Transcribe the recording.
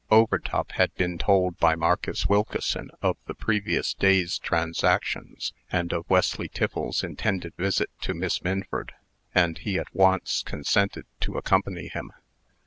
Overtop had been told by Marcus Wilkeson of the previous day's transactions, and of Wesley Tiffles's intended visit to Miss Minford; and he at once consented to accompany him.